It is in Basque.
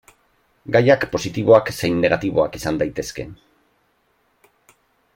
Gaiak positiboak zein negatiboak izan daitezke.